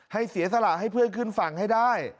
เสียสละให้เพื่อนขึ้นฝั่งให้ได้